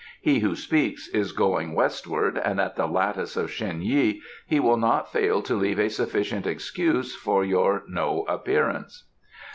He who speaks is going westward, and at the lattice of Shen Yi he will not fail to leave a sufficient excuse for your no appearance."